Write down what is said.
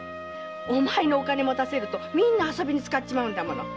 お前にお金持たせるとみんな遊びに使っちまうからね。